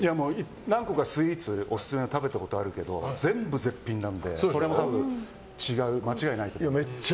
何個かスイーツオススメの食べたことあるけど全部絶品なのでこれも多分、間違いないと思う。